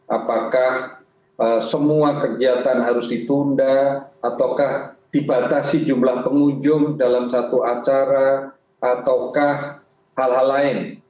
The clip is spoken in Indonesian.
apakah semua kegiatan harus ditunda ataukah dibatasi jumlah pengunjung dalam satu acara ataukah hal hal lain